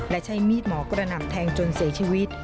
และใช้มีดหมอกระหน่ำแทงจนเสียชีวิต